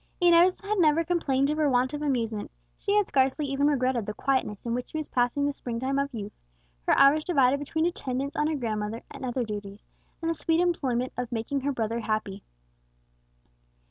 Inez had never complained of want of amusement; she had scarcely even regretted the quietness in which she was passing the spring time of youth, her hours divided between attendance on her grandmother and other duties, and the sweet employment of making her brother happy.